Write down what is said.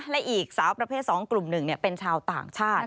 และอีกสาวประเภท๒กลุ่ม๑เป็นชาวต่างชาติ